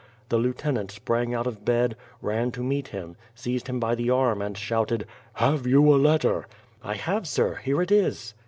The lieutenant sprang out of bed, ran to meet him, seized him by the arm and shouted: "Have you a letter?" "1 have, sir! Here it is."